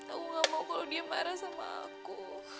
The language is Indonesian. aku gak mau kalau dia marah sama aku